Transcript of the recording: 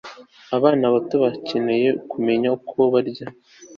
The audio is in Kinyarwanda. Abana bato bakeneye kumenya ko barya